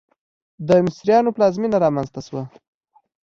د مصریانو پلازمېنه رامنځته شوه.